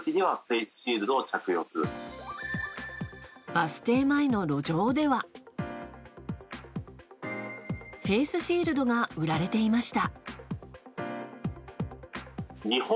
バス停前の路上ではフェースシールドが売られていました。